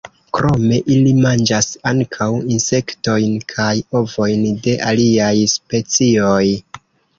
Krome ili manĝas ankaŭ insektojn kaj ovojn de aliaj specioj.